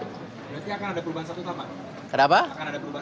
berarti akan ada perubahan statuta pak